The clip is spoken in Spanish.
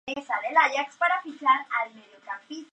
Como resultado, obtienen ventajas sobre otras criaturas.